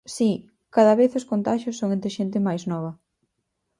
Si, cada vez os contaxios son entre xente máis nova.